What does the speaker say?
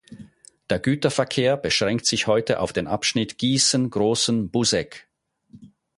Der Güterverkehr beschränkt sich heute auf den Abschnitt Gießen–Großen Buseck.